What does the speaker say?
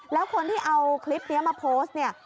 แล้วคนที่เอาคลิปนี้มาโพสต์เนี่ย